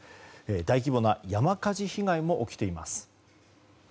大規模な山火事被害も起きています。